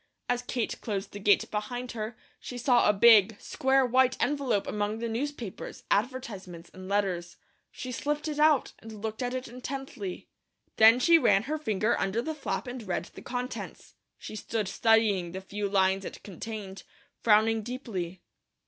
As Kate closed the gate behind her, she saw a big, square white envelope among the newspapers, advertisements, and letters. She slipped it out and looked at it intently. Then she ran her finger under the flap and read the contents. She stood studying the few lines it contained, frowning deeply.